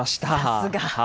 さすが。